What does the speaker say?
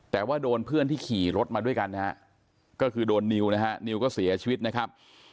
แต่ว่าโดนเพื่อนที่ขี่รถมาด้วยกันนะฮะก็คือโดนนิวนะฮะนิวก็เสียชีวิตนะครับ